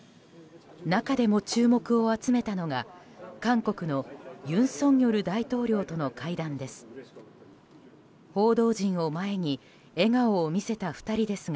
中でも注目を集めたのが韓国の尹錫悦大統領との会談です。